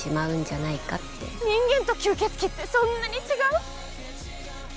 人間と吸血鬼ってそんなに違う？